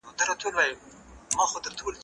مځکي ته وګوره،